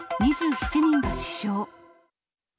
２７人が死傷。